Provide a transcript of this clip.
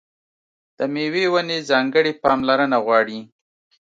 د مېوې ونې ځانګړې پاملرنه غواړي.